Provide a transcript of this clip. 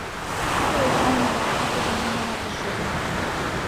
Тудо Эчан ӱмбак утыжым нимомат ыш ойло.